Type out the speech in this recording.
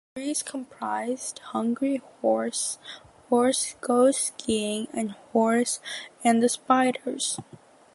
The series comprised "Hungry Horace", "Horace Goes Skiing" and "Horace and the Spiders".